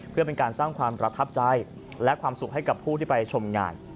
เพื่อเป็นการสร้างความประทับใจและความสุขให้กับผู้ที่ไปชมงาน